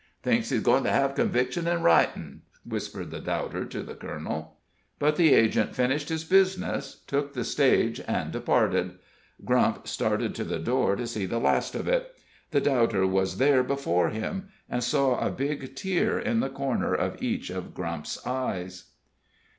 "Thinks he's goin' to hev conviction in writin'," whispered the doubter to the colonel. But the agent finished his business, took the stage, and departed. Grump started to the door to see the last of it. The doubter was there before him, and saw a big tear in the corner of each of Grump's eyes.